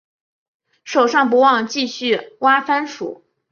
手上不忘继续挖番薯